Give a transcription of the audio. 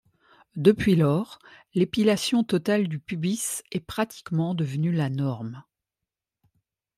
Depuis lors, l'épilation totale du pubis est pratiquement devenue la norme.